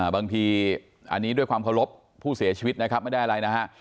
บางทีอันนี้ด้วยความเคารพผู้เสียชีวิตนะครับไม่ได้อะไรนะฮะ